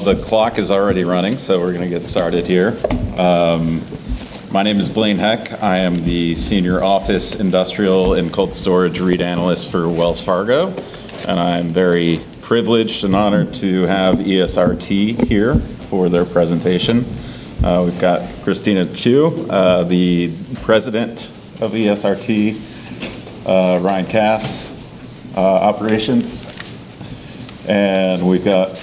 The clock is already running, so we're going to get started here. My name is Blaine Heck. I am the Senior Office, Industrial and Cold Storage REIT Analyst for Wells Fargo, and I am very privileged and honored to have ESRT here for their presentation. We've got Christina Chiu, the President of ESRT, Ryan Kass, operations, and we've got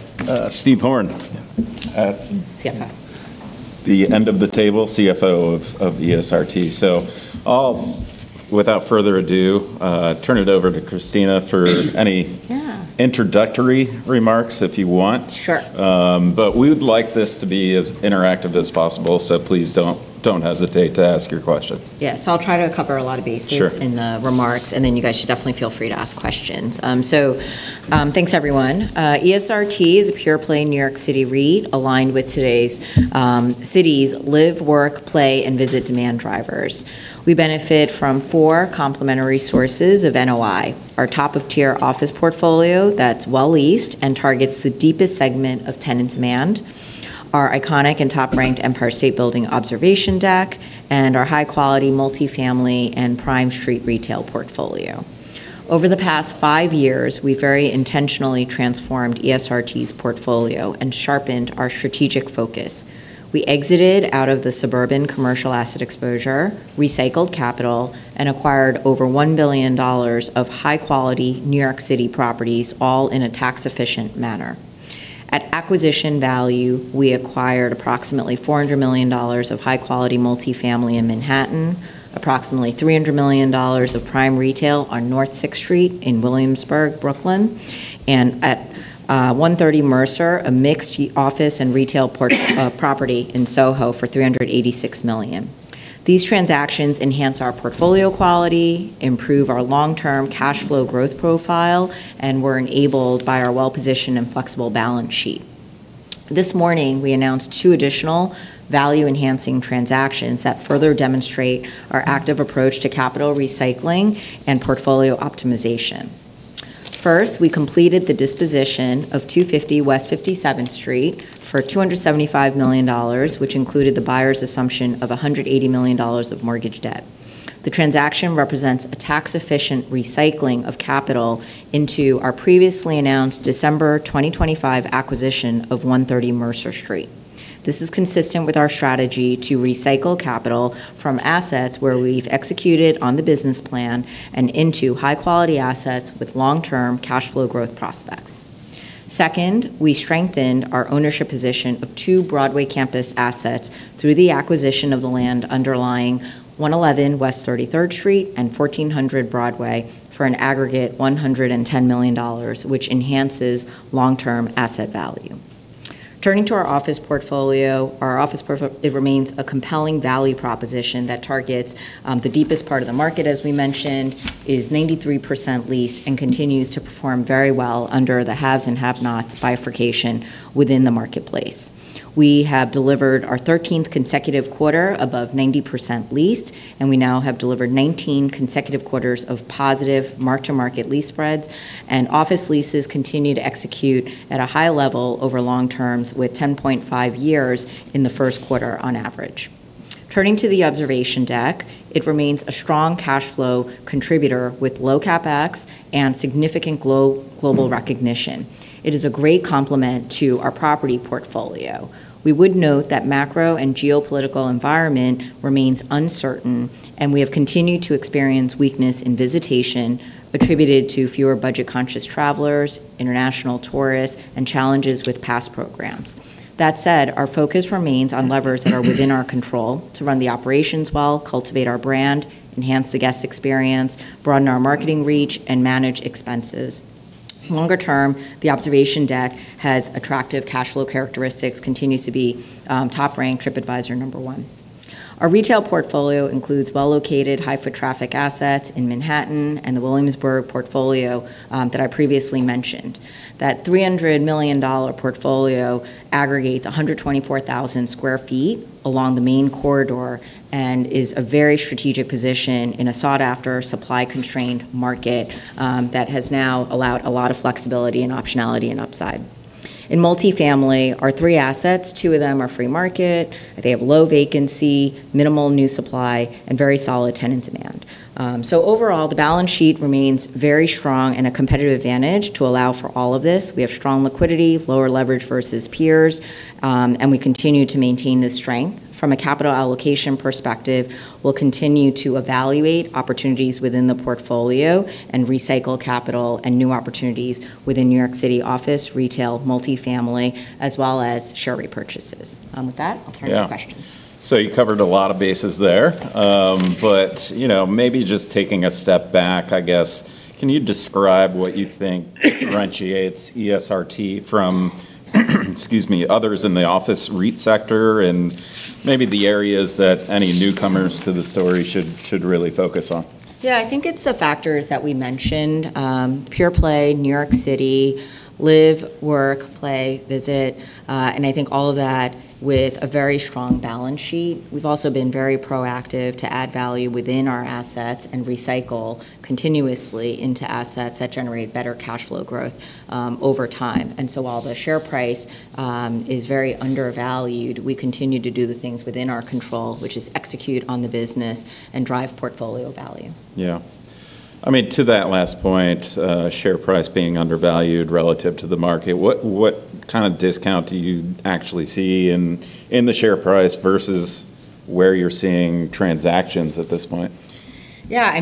Steve Horn. Yeah. CFO The end of the table, CFO of ESRT. I'll, without further ado, turn it over to Christina. Yeah Introductory remarks if you want. Sure. We would like this to be as interactive as possible, so please don't hesitate to ask your questions. Yeah. I'll try to cover a lot of bases. Sure In the remarks, and then you guys should definitely feel free to ask questions. Thanks everyone. ESRT is a pure-play New York City REIT aligned with today's city's live, work, play, and visit demand drivers. We benefit from four complementary sources of NOI. Our top-of-tier office portfolio that's well leased and targets the deepest segment of tenant demand, our iconic and top-ranked Empire State Building observation deck, and our high-quality multi-family and prime street retail portfolio. Over the past five years, we've very intentionally transformed ESRT's portfolio and sharpened our strategic focus. We exited out of the suburban commercial asset exposure, recycled capital, and acquired over $1 billion of high-quality New York City properties, all in a tax-efficient manner. At acquisition value, we acquired approximately $400 million of high-quality multi-family in Manhattan, approximately $300 million of prime retail on North 6th Street in Williamsburg, Brooklyn, and at 130 Mercer, a mixed office and retail property in SoHo for $386 million. These transactions enhance our portfolio quality, improve our long-term cash flow growth profile, and were enabled by our well-positioned and flexible balance sheet. This morning, we announced two additional value-enhancing transactions that further demonstrate our active approach to capital recycling and portfolio optimization. 1st, we completed the disposition of 250 West 57th Street for $275 million, which included the buyer's assumption of $180 million of mortgage debt. The transaction represents a tax-efficient recycling of capital into our previously announced December 2025 acquisition of 130 Mercer Street. This is consistent with our strategy to recycle capital from assets where we've executed on the business plan and into high-quality assets with long-term cash flow growth prospects. Second, we strengthened our ownership position of two Broadway campus assets through the acquisition of the land underlying 111 West 33rd Street and 1400 Broadway for an aggregate $110 million, which enhances long-term asset value. Turning to our office portfolio, our office portfolio remains a compelling value proposition that targets the deepest part of the market, as we mentioned. It is 93% leased and continues to perform very well under the haves and have-nots bifurcation within the marketplace. We have delivered our 13th consecutive quarter above 90% leased, and we now have delivered 19 consecutive quarters of positive mark-to-market lease spreads. Office leases continue to execute at a high level over long terms, with 10.5 years in the first quarter on average. Turning to the observation deck, it remains a strong cash flow contributor with low CapEx and significant global recognition. It is a great complement to our property portfolio. We would note that macro and geopolitical environment remains uncertain, and we have continued to experience weakness in visitation attributed to fewer budget-conscious travelers, international tourists, and challenges with pass programs. That said, our focus remains on levers that are within our control to run the operations well, cultivate our brand, enhance the guest experience, broaden our marketing reach, and manage expenses. Longer term, the observation deck has attractive cash flow characteristics, continues to be top-ranked Tripadvisor number one. Our retail portfolio includes well-located, high-foot traffic assets in Manhattan and the Williamsburg portfolio that I previously mentioned. That $300 million portfolio aggregates 124,000 sq ft along the main corridor and is a very strategic position in a sought-after, supply-constrained market that has now allowed a lot of flexibility and optionality and upside. In multi-family, our three assets, two of them are free market. They have low vacancy, minimal new supply, and very solid tenant demand. Overall, the balance sheet remains very strong and a competitive advantage to allow for all of this. We have strong liquidity, lower leverage versus peers, and we continue to maintain this strength. From a capital allocation perspective, we'll continue to evaluate opportunities within the portfolio and recycle capital and new opportunities within New York City office, retail, multi-family, as well as share repurchases. With that, I'll turn to questions. Yeah. You covered a lot of bases there. Maybe just taking a step back, I guess, can you describe what you think differentiates ESRT from excuse me, others in the office REIT sector, and maybe the areas that any newcomers to the story should really focus on? Yeah, I think it's the factors that we mentioned. Pure play, New York City, live, work, play, visit, I think all of that with a very strong balance sheet. We've also been very proactive to add value within our assets and recycle continuously into assets that generate better cash flow growth over time. While the share price is very undervalued, we continue to do the things within our control, which is execute on the business and drive portfolio value. Yeah. To that last point, share price being undervalued relative to the market, what kind of discount do you actually see in the share price versus where you're seeing transactions at this point? Yeah.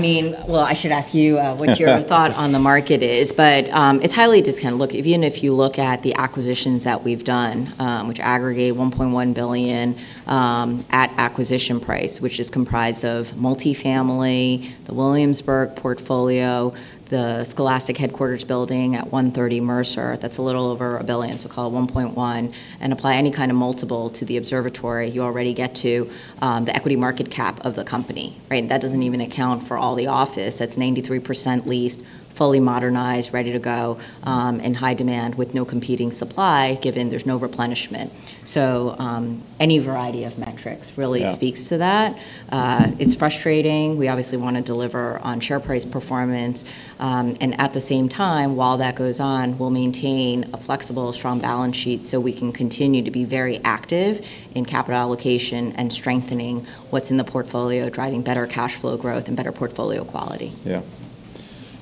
Well, I should ask you what your thought on the market is, it's highly discounted. Even if you look at the acquisitions that we've done, which aggregate $1.1 billion at acquisition price, which is comprised of multifamily, the Williamsburg portfolio, the Scholastic headquarters building at 130 Mercer, that's a little over $1 billion, call it $1.1 billion, apply any kind of multiple to the Observatory, you already get to the equity market cap of the company. That doesn't even account for all the office that's 93% leased, fully modernized, ready to go, in high demand with no competing supply, given there's no replenishment. Any variety of metrics really speaks to that. Yeah. It's frustrating. We obviously want to deliver on share price performance. At the same time, while that goes on, we'll maintain a flexible, strong balance sheet so we can continue to be very active in capital allocation and strengthening what's in the portfolio, driving better cash flow growth and better portfolio quality.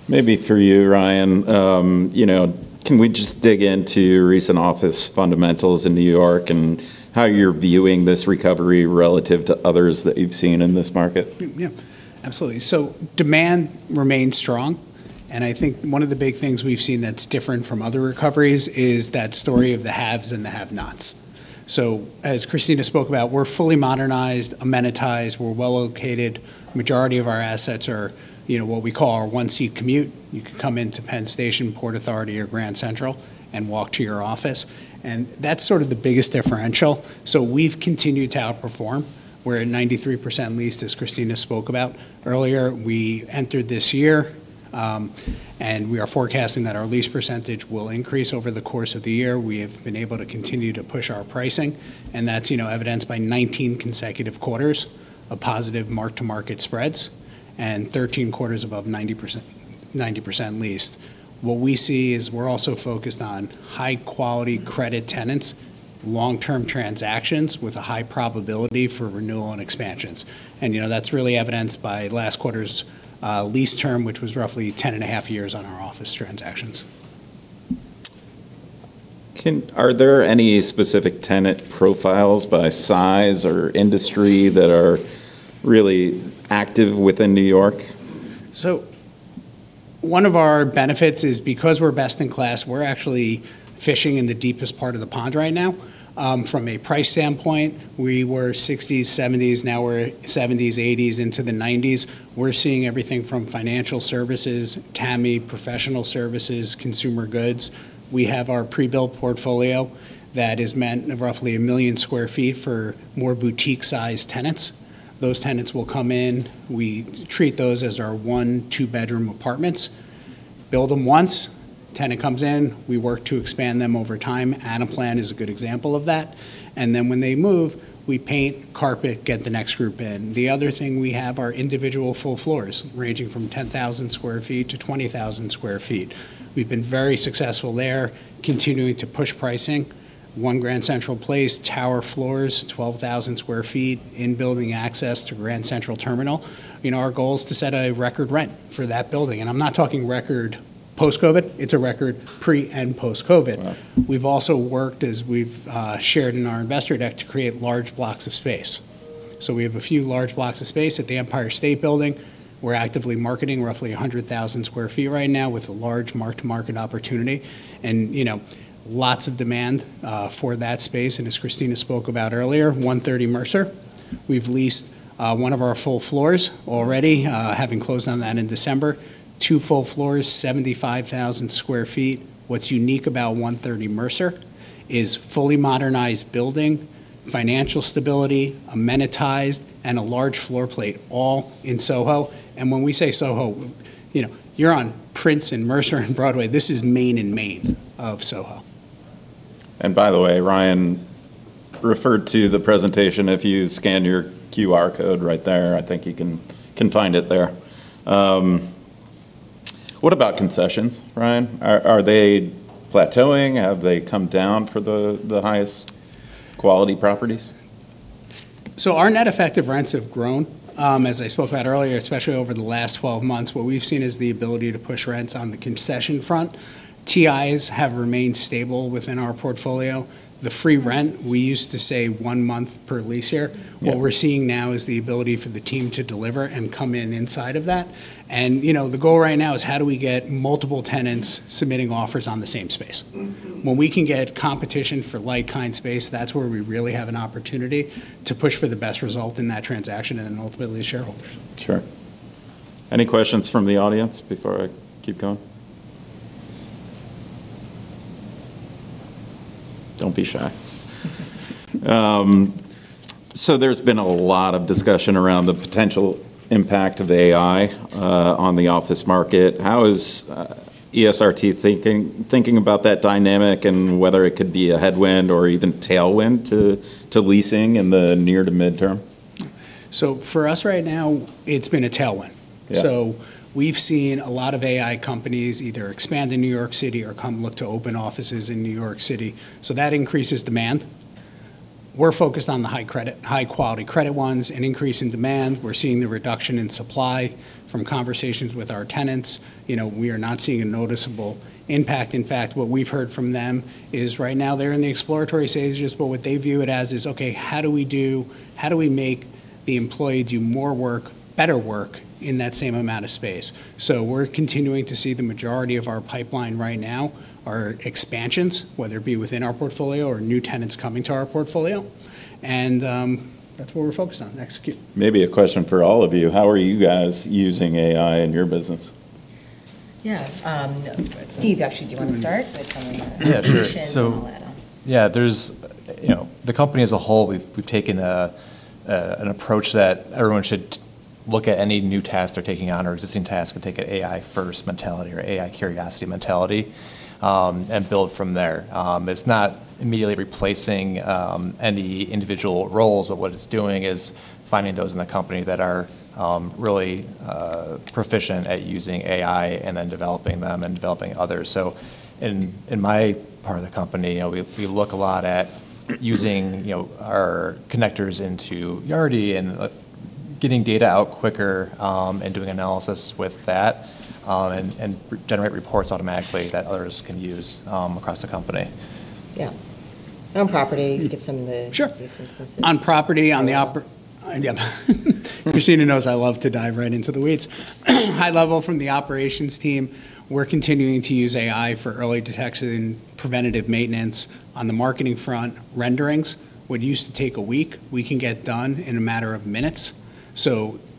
Yeah. Maybe for you, Ryan, can we just dig into recent office fundamentals in New York and how you're viewing this recovery relative to others that you've seen in this market? Yeah. Absolutely. Demand remains strong, and I think one of the big things we've seen that's different from other recoveries is that story of the haves and the have-nots. As Christina spoke about, we're fully modernized, amenitized. We're well-located. Majority of our assets are what we call our one-seat ride. You can come into Penn Station, Port Authority, or Grand Central and walk to your office, and that's sort of the biggest differential. We've continued to outperform. We're at 93% leased, as Christina spoke about earlier. We entered this year, and we are forecasting that our lease percentage will increase over the course of the year. We have been able to continue to push our pricing, and that's evidenced by 19 consecutive quarters of positive mark-to-market spreads and 13 quarters above 90% leased. What we see is we're also focused on high-quality credit tenants, long-term transactions with a high probability for renewal and expansions. That's really evidenced by last quarter's lease term, which was roughly 10.5 years on our office transactions. Are there any specific tenant profiles by size or industry that are really active within New York? One of our benefits is because we're best in class, we're actually fishing in the deepest part of the pond right now. From a price standpoint, we were 60s, 70s. Now we're 70s, 80s, into the 90s. We're seeing everything from financial services, TAMI, professional services, consumer goods. We have our pre-built portfolio that is meant roughly 1 million sq ft for more boutique-sized tenants. Those tenants will come in. We treat those as our one, two-bedroom apartments. Build them once. Tenant comes in. We work to expand them over time. Anaplan is a good example of that. When they move, we paint, carpet, get the next group in. The other thing, we have our individual full floors ranging from 10,000 sq ft-20,000 sq ft. We've been very successful there, continuing to push pricing. One Grand Central Place, tower floors, 12,000 sq ft, in-building access to Grand Central Terminal. Our goal is to set a record rent for that building, and I'm not talking record post-COVID. It's a record pre- and post-COVID. Wow. We've also worked, as we've shared in our investor deck, to create large blocks of space. We have a few large blocks of space at the Empire State Building. We're actively marketing roughly 100,000 sq ft right now with a large mark-to-market opportunity and lots of demand for that space. As Christina spoke about earlier, 130 Mercer, we've leased one of our full floors already, having closed on that in December. Two full floors, 75,000 sq ft. What's unique about 130 Mercer is fully modernized building, financial stability, amenitized, and a large floor plate all in SoHo. When we say SoHo, you're on Prince and Mercer and Broadway. This is main in main of SoHo. By the way, Ryan referred to the presentation. If you scan your QR code right there, I think you can find it there. What about concessions, Ryan? Are they plateauing? Have they come down for the highest quality properties? Our Net effective rent have grown. As I spoke about earlier, especially over the last 12 months, what we've seen is the ability to push rents on the concession front. TIs have remained stable within our portfolio. The free rent, we used to say one month per lease here. Yeah. What we're seeing now is the ability for the team to deliver and come in inside of that. The goal right now is how do we get multiple tenants submitting offers on the same space? When we can get competition for like kind space, that's where we really have an opportunity to push for the best result in that transaction and then ultimately shareholders. Sure. Any questions from the audience before I keep going? Don't be shy. There's been a lot of discussion around the potential impact of AI on the office market. How is ESRT thinking about that dynamic and whether it could be a headwind or even tailwind to leasing in the near to midterm? For us right now, it's been a tailwind. Yeah. We've seen a lot of AI companies either expand in New York City or come look to open offices in New York City. That increases demand. We're focused on the high-quality credit ones. An increase in demand, we're seeing the reduction in supply from conversations with our tenants. We are not seeing a noticeable impact. In fact, what we've heard from them is right now they're in the exploratory stages, but what they view it as is, okay, how do we make the employee do more work, better work, in that same amount of space? We're continuing to see the majority of our pipeline right now are expansions, whether it be within our portfolio or new tenants coming to our portfolio. That's what we're focused on. Next queue. Maybe a question for all of you. How are you guys using AI in your business? Yeah. Steve, actually, do you want to start with? Yeah, sure. Efficient and all that? The company as a whole, we've taken an approach that everyone should look at any new task they're taking on or existing task, and take an AI 1st mentality or AI curiosity mentality, and build from there. It's not immediately replacing any individual roles, but what it's doing is finding those in the company that are really proficient at using AI, and then developing them and developing others. In my part of the company, we look a lot at using our connectors into Yardi and getting data out quicker and doing analysis with that, and generate reports automatically that others can use across the company. Yeah. On property. Sure Use instances. On property, Christina knows I love to dive right into the weeds. High level from the operations team, we're continuing to use AI for early detection, preventative maintenance. On the marketing front, renderings. What used to take one week, we can get done in a matter of minutes.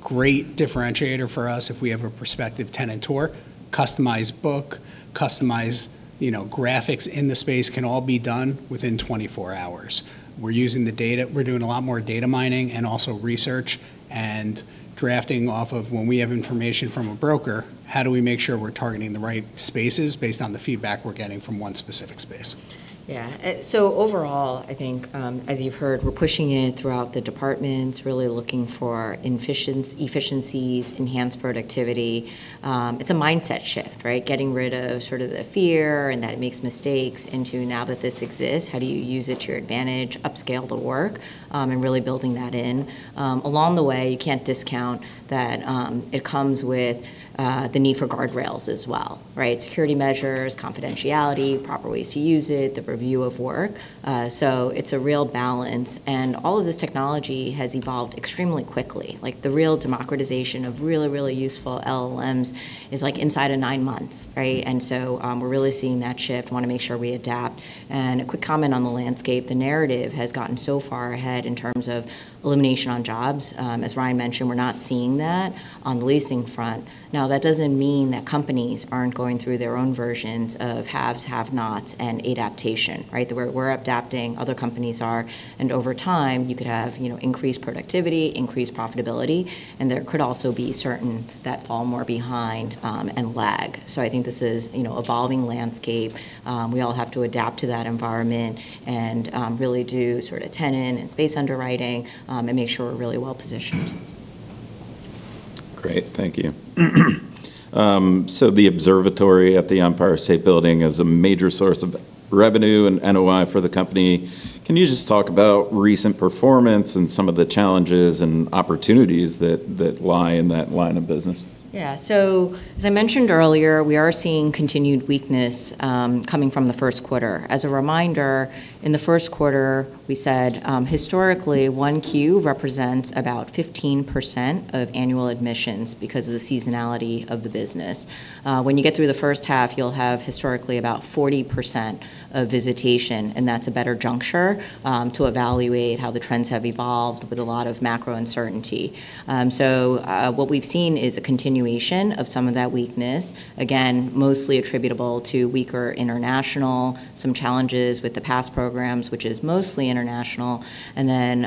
Great differentiator for us if we have a prospective tenant tour. Customized book, customize graphics in the space can all be done within 24 hours. We're using the data. We're doing a lot more data mining and also research and drafting off of when we have information from a broker, how do we make sure we're targeting the right spaces based on the feedback we're getting from one specific space? Yeah. Overall, I think as you've heard, we're pushing it throughout the departments, really looking for efficiencies, enhanced productivity. It's a mindset shift, right? Getting rid of the fear, and that it makes mistakes into now that this exists, how do you use it to your advantage, upscale the work, and really building that in. Along the way, you can't discount that it comes with the need for guardrails as well. Security measures, confidentiality, proper ways to use it, the review of work. It's a real balance. All of this technology has evolved extremely quickly. The real democratization of really useful LLMs is inside of nine months. We're really seeing that shift, want to make sure we adapt. A quick comment on the landscape. The narrative has gotten so far ahead in terms of elimination on jobs. As Ryan mentioned, we're not seeing that on the leasing front. That doesn't mean that companies aren't going through their own versions of haves, have-nots, and adaptation. The way we're adapting, other companies are. Over time, you could have increased productivity, increased profitability, and there could also be certain that fall more behind and lag. I think this is evolving landscape. We all have to adapt to that environment and really do sort of tenant and space underwriting, and make sure we're really well-positioned. Great. Thank you. The observatory at the Empire State Building is a major source of revenue and NOI for the company. Can you just talk about recent performance and some of the challenges and opportunities that lie in that line of business? Yeah. As I mentioned earlier, we are seeing continued weakness coming from the first quarter. As a reminder, in the first quarter, we said historically, 1Q represents about 15% of annual admissions because of the seasonality of the business. When you get through the first half, you'll have historically about 40% of visitation, and that's a better juncture to evaluate how the trends have evolved with a lot of macro uncertainty. What we've seen is a continuation of some of that weakness, again, mostly attributable to weaker international, some challenges with the pass programs, which is mostly international, and then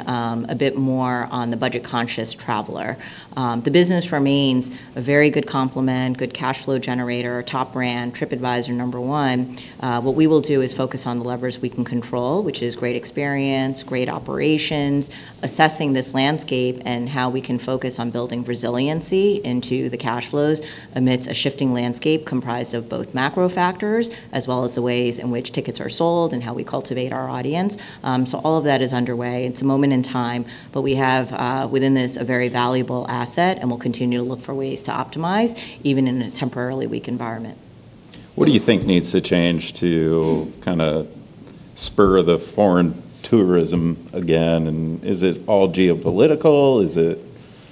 a bit more on the budget-conscious traveler. The business remains a very good complement, good cash flow generator, top brand, Tripadvisor number one. What we will do is focus on the levers we can control, which is great experience, great operations, assessing this landscape, and how we can focus on building resiliency into the cash flows amidst a shifting landscape comprised of both macro factors, as well as the ways in which tickets are sold and how we cultivate our audience. All of that is underway. It's a moment in time, but we have within this a very valuable asset, and we'll continue to look for ways to optimize even in a temporarily weak environment. What do you think needs to change to kind of spur the foreign tourism again? Is it all geopolitical? Is it?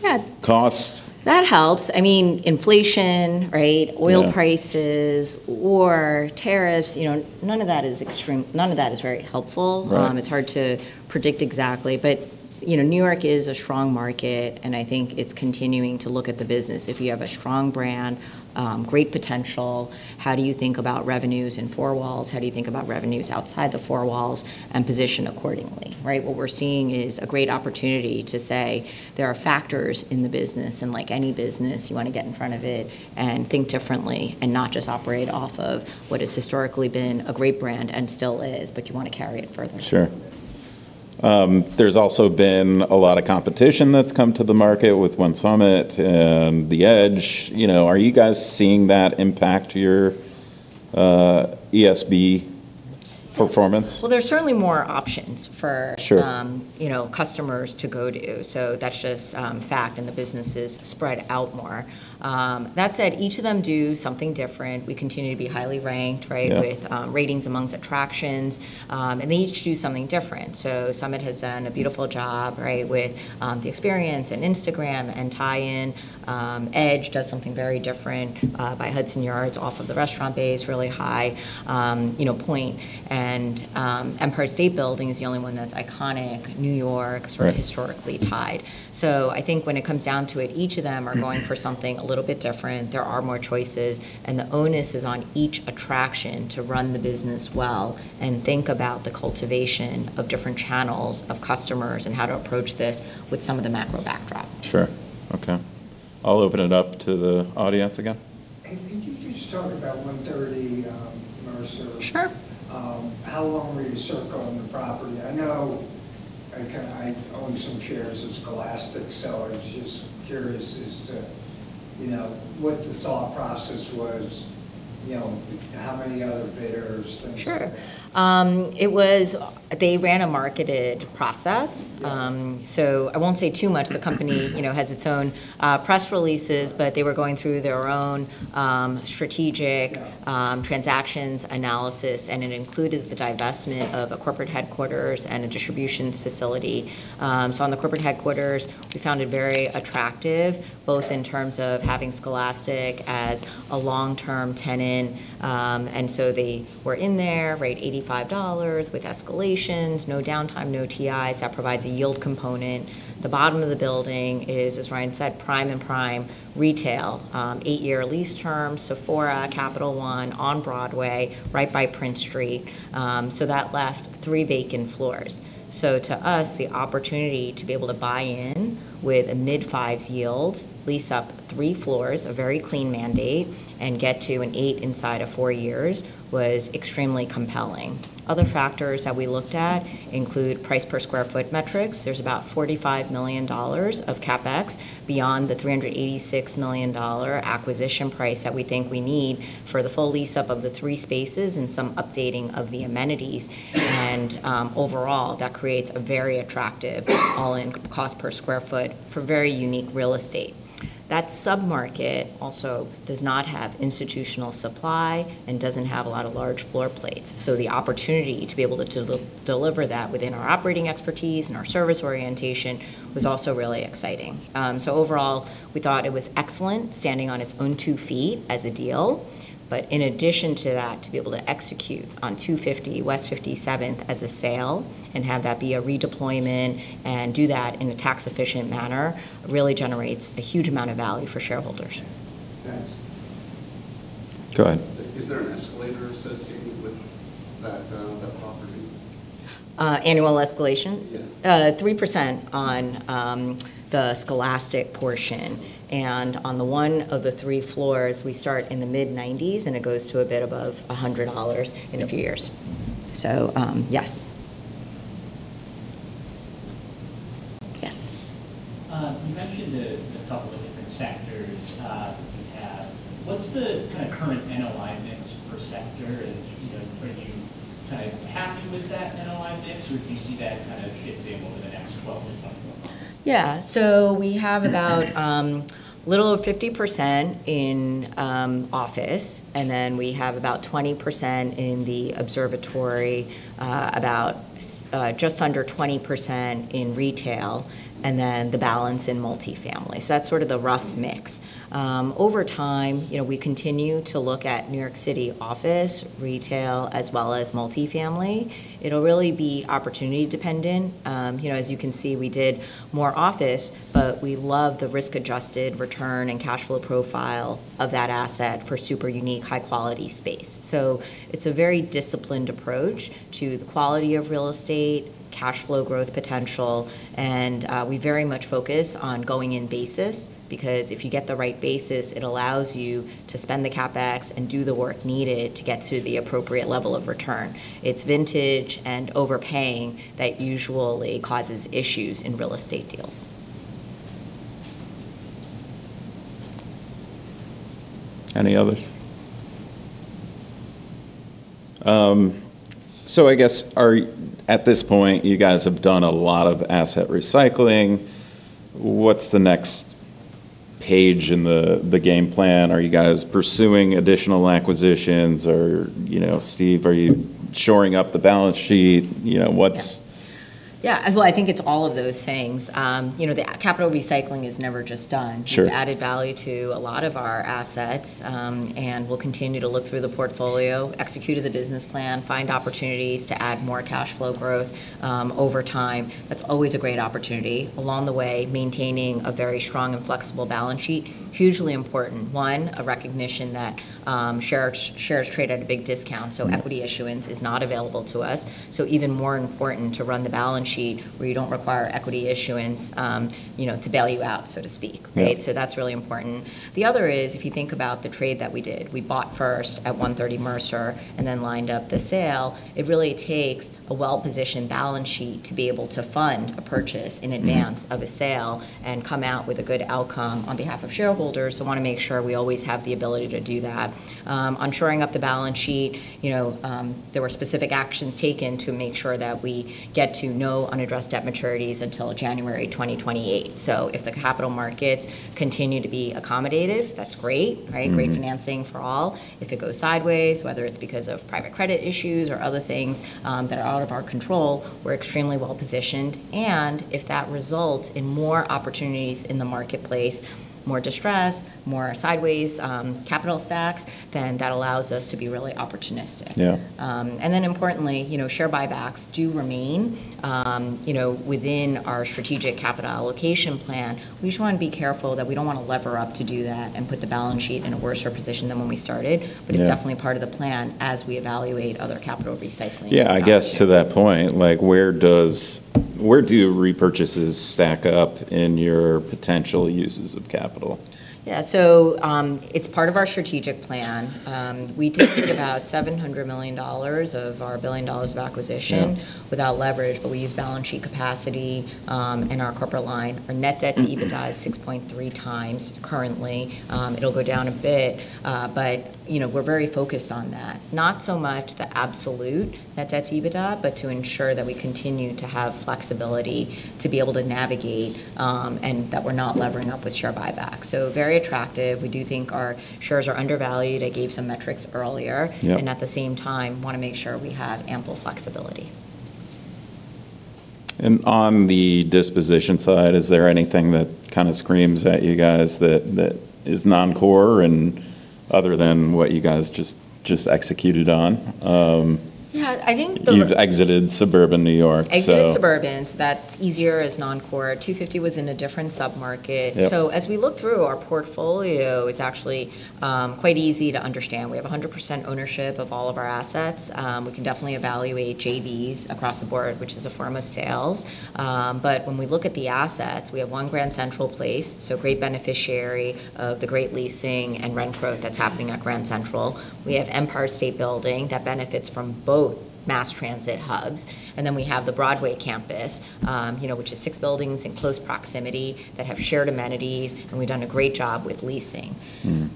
Yeah Cost? That helps. I mean, inflation. Yeah Oil prices, war, tariffs. None of that is very helpful. Right. It's hard to predict exactly, but New York is a strong market, and I think it's continuing to look at the business. If you have a strong brand, great potential, how do you think about revenues in four walls? How do you think about revenues outside the four walls? Position accordingly. What we're seeing is a great opportunity to say there are factors in the business, and like any business, you want to get in front of it and think differently, and not just operate off of what has historically been a great brand and still is, but you want to carry it further. Sure. There's also been a lot of competition that's come to the market with SUMMIT One Vanderbilt and Edge. Are you guys seeing that impact your ESB performance? Well, there's certainly more options. Sure Customers to go to, so that's just fact, and the business is spread out more. That said, each of them do something different. We continue to be highly ranked. Yeah With ratings amongst attractions. They each do something different. SUMMIT has done a beautiful job with the experience, Instagram, and tie-in. Edge does something very different by Hudson Yards off of the restaurant base, really high point. Empire State Building is the only one that's iconic, New York sort of historically tied. I think when it comes down to it, each of them are going for something a little bit different. There are more choices, and the onus is on each attraction to run the business well and think about the cultivation of different channels of customers, and how to approach this with some of the macro backdrop. Sure. Okay. I'll open it up to the audience again. Could you just talk about 130 Mercer? Sure. How long were you circling the property? I own some shares of Scholastic, so I was just curious as to what the thought process was, how many other bidders, things like that. Sure. They ran a marketed process. Yeah. I won't say too much. The company has its own press releases. Right. They were going through their own strategic transactions analysis. It included the divestment of a corporate headquarters and a distributions facility. On the corporate headquarters, we found it very attractive, both in terms of having Scholastic as a long-term tenant. They were in there, rate $85 with escalations, no downtime, no TIs. That provides a yield component. The bottom of the building is, as Ryan said, prime and prime retail. eight-year lease terms, Sephora, Capital One, on Broadway, right by Prince Street. That left three vacant floors. To us, the opportunity to be able to buy in with a mid-fives yield, lease up three floors, a very clean mandate, and get to an eight inside of four years, was extremely compelling. Other factors that we looked at include price per sq ft metrics. There's about $45 million of CapEx beyond the $386 million acquisition price that we think we need for the full lease up of the three spaces and some updating of the amenities. Overall, that creates a very attractive all-in cost per square foot for very unique real estate. That sub-market also does not have institutional supply and doesn't have a lot of large floor plates. The opportunity to be able to deliver that within our operating expertise and our service orientation was also really exciting. Overall, we thought it was excellent standing on its own two feet as a deal. In addition to that, to be able to execute on 250 West 57th as a sale and have that be a redeployment, and do that in a tax-efficient manner, really generates a huge amount of value for shareholders. Thanks. Go ahead. Is there an escalator associated with that property? Annual escalation? Yeah. 3% on the Scholastic portion, and on the one of the three floors, we start in the mid-90s, and it goes to a bit above $100 in a few years. Yes. Yes. You mentioned a couple of different sectors that you have. What's the current NOI mix per sector, and are you happy with that NOI mix, or do you see that shifting over the next 12-24 months? We have about little over 50% in office, and then we have about 20% in the Observatory, about just under 20% in retail, and then the balance in multi-family. That's sort of the rough mix. Over time, we continue to look at New York City office, retail, as well as multi-family. It'll really be opportunity-dependent. As you can see, we did more office, but we love the risk-adjusted return and cash flow profile of that asset for super unique, high-quality space. It's a very disciplined approach to the quality of real estate, cash flow growth potential, and we very much focus on going in basis because if you get the right basis, it allows you to spend the CapEx and do the work needed to get to the appropriate level of return. It's vintage and overpaying that usually causes issues in real estate deals. Any others? I guess at this point, you guys have done a lot of asset recycling. What's the next page in the game plan? Are you guys pursuing additional acquisitions or Steve, are you shoring up the balance sheet? Yeah. Well, I think it's all of those things. The capital recycling is never just done. Sure. We've added value to a lot of our assets, and we'll continue to look through the portfolio, execute the business plan, find opportunities to add more cash flow growth. Over time, that's always a great opportunity. Along the way, maintaining a very strong and flexible balance sheet, hugely important. One, a recognition that shares trade at a big discount, so equity issuance is not available to us. Even more important to run the balance sheet where you don't require equity issuance to bail you out, so to speak. Right. That's really important. The other is, if you think about the trade that we did, we bought first at 130 Mercer and then lined up the sale. It really takes a well-positioned balance sheet to be able to fund a purchase in advance of a sale and come out with a good outcome on behalf of shareholders. Want to make sure we always have the ability to do that. On shoring up the balance sheet, there were specific actions taken to make sure that we get to no unaddressed debt maturities until January 2028. If the capital markets continue to be accommodative, that's great. Great financing for all. If it goes sideways, whether it's because of private credit issues or other things that are out of our control, we're extremely well-positioned. If that results in more opportunities in the marketplace, more distress, more sideways capital stacks, that allows us to be really opportunistic. Yeah. Importantly, share buybacks do remain within our strategic capital allocation plan. We just want to be careful that we don't want to lever up to do that and put the balance sheet in a worse position than when we started. Yeah. It's definitely part of the plan as we evaluate other capital recycling opportunities. Yeah, I guess to that point, where do repurchases stack up in your potential uses of capital? Yeah. It's part of our strategic plan. We did about $700 million of our $1 billion of acquisition. Yeah Without leverage, we used balance sheet capacity in our corporate line. Our net debt to EBITDA is 6.3x currently. It'll go down a bit. We're very focused on that. Not so much the absolute net debt to EBITDA, but to ensure that we continue to have flexibility to be able to navigate, and that we're not levering up with share buybacks. Very attractive. We do think our shares are undervalued. I gave some metrics earlier. Yep. At the same time, want to make sure we have ample flexibility. On the disposition side, is there anything that kind of screams at you guys that is non-core and other than what you guys just executed on? Yeah, I think You've exited suburban New York. Exited suburban. That's easier as non-core. 250 was in a different sub-market. Yep. As we look through our portfolio, it's actually quite easy to understand. We have 100% ownership of all of our assets. We can definitely evaluate JVs across the board, which is a form of sales. When we look at the assets, we have One Grand Central place, so great beneficiary of the great leasing and rent growth that's happening at Grand Central. We have Empire State Building that benefits from both mass transit hubs. We have the Broadway campus, which is six buildings in close proximity that have shared amenities. We've done a great job with leasing.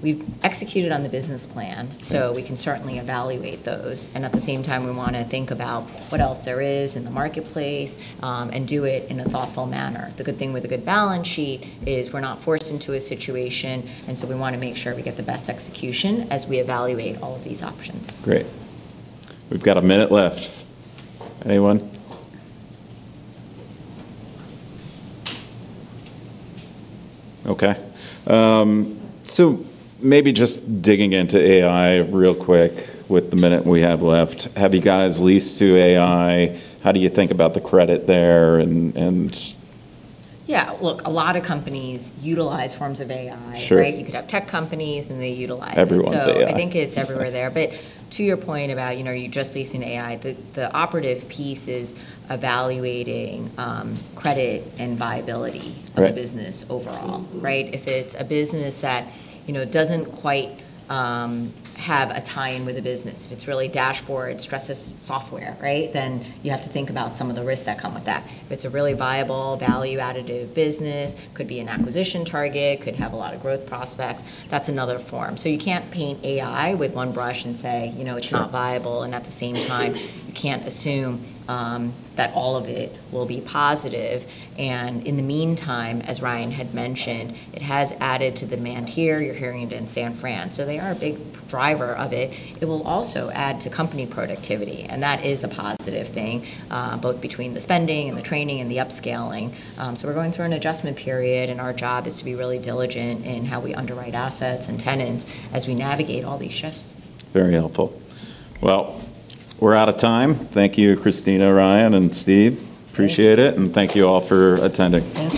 We've executed on the business plan. Right We can certainly evaluate those. At the same time, we want to think about what else there is in the marketplace, and do it in a thoughtful manner. The good thing with a good balance sheet is we're not forced into a situation, and so we want to make sure we get the best execution as we evaluate all of these options. Great. We've got a minute left. Anyone? Okay. Maybe just digging into AI real quick with the minute we have left. Have you guys leased to AI? How do you think about the credit there and? Yeah, look, a lot of companies utilize forms of AI, right? Sure. You could have tech companies, and they utilize it. Everyone's AI. I think it's everywhere there. To your point about, you're just leasing AI, the operative piece is evaluating credit and viability. Right Of business overall. Right? If it's a business that doesn't quite have a tie-in with the business, if it's really dashboard stresses software, right? You have to think about some of the risks that come with that. If it's a really viable value additive business, could be an acquisition target, could have a lot of growth prospects, that's another form. You can't paint AI with one brush and say. Sure it's not viable, at the same time, you can't assume that all of it will be positive. In the meantime, as Ryan had mentioned, it has added to demand here. You're hearing it in San Fran. They are a big driver of it. It will also add to company productivity, and that is a positive thing, both between the spending and the training and the upscaling. We're going through an adjustment period, and our job is to be really diligent in how we underwrite assets and tenants as we navigate all these shifts. Very helpful. Well, we're out of time. Thank you, Christina, Ryan, and Steve. Appreciate it, and thank you all for attending.